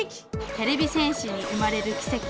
てれび戦士に生まれるきせき